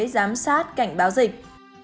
giám sát cảnh báo dịch